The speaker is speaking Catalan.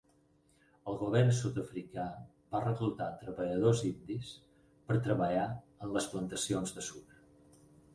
El govern sud-africà va reclutar treballadors indis per treballar en les plantacions de sucre.